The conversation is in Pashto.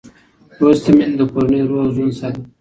لوستې میندې د کورنۍ روغ ژوند ساتي.